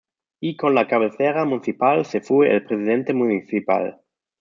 Y con la cabecera municipal se fue el presidente municipal.